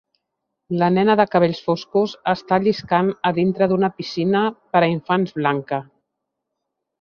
La nena de cabells foscos està lliscant a dintre d'una piscina per a infants blanca.